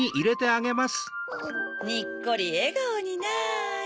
にっこりえがおになれ。